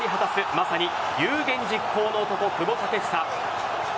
まさに有言実行の男・久保建英。